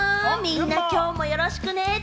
みんな、きょうもよろしくね！